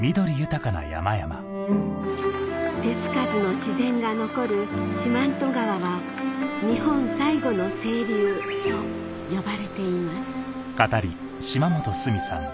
手付かずの自然が残る四万十川は「日本最後の清流」と呼ばれています